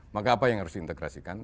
maka apa yang harus diintegrasikan